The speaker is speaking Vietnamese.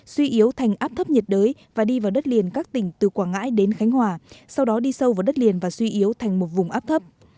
suy yếu thành áp thấp nhiệt đới và đi vào đất liền các tỉnh từ quảng ngãi đến khánh hòa sau đó đi sâu vào đất liền và suy yếu thành một vùng áp thấp